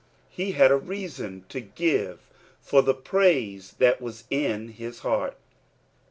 He hnd a Kason to give for the pruM that was in liis heart.